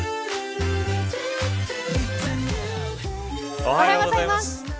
おはようございます。